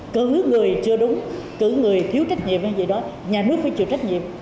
cứ người chưa đúng cử người thiếu trách nhiệm hay gì đó nhà nước phải chịu trách nhiệm